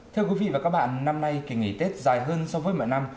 thưa quý vị và các bạn năm nay kỳ nghỉ tết dài hơn so với mọi năm